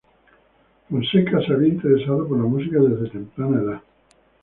Fonseca se había interesado por la música desde temprana edad.